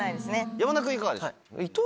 山田君いかがでしょう？